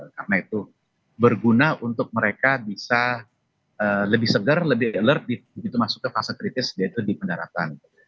karena itu berguna untuk mereka bisa lebih segar lebih alert begitu masuk ke fase kritis yaitu di pendaratan